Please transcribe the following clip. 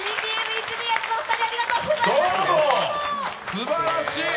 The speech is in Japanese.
すばらしい！